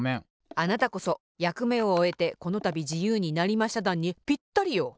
あなたこそ「やくめをおえてこのたびじゆうになりましただん」にぴったりよ。